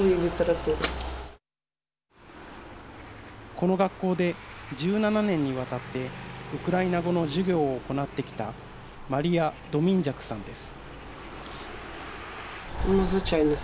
この学校で１７年にわたってウクライナ語の授業を行ってきたマリア・ドミンジャクさんです。